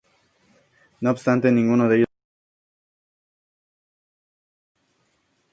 No obstante, ninguno de ellos perteneció propiamente a este movimiento.